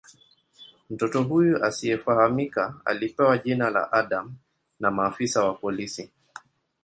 Mtoto huyu asiyefahamika alipewa jina la "Adam" na maafisa wa polisi.